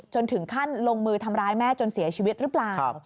จนถึงขั้นลงมือทำร้ายแม่จนเสียชีวิตหรือเปล่า